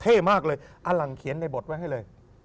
มากเลยอลังเขียนในบทไว้ให้เลย